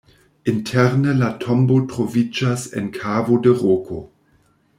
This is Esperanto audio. Interne la tombo troviĝas en kavo de roko.